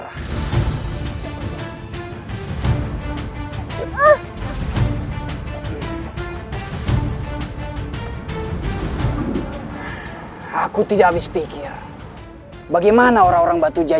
aku tidak mau berurusan dengan wanita